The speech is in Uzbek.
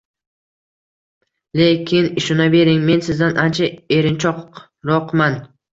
Lekin ishonavering, men sizdan ancha erinchoqroqman